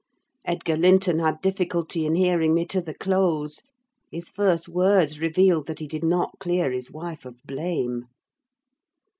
Edgar Linton had difficulty in hearing me to the close. His first words revealed that he did not clear his wife of blame.